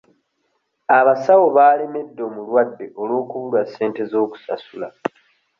Abasawo baalemedde omulwadde olw'okubulwa ssente z'okusasula